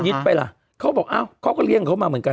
ยิังไปล่ะเขาบอกก็เลี้ยงกันอ่ะ